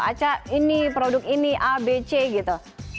aca ini produk ini a b c gitu